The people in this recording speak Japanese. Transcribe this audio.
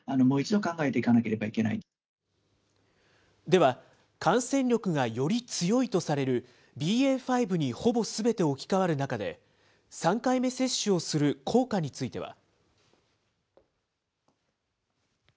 では、感染力がより強いとされるＢＡ．５にほぼすべて置き換わる中で、３回目接種をする効果については。